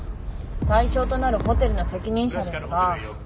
対象となるホテルの責任者ですが。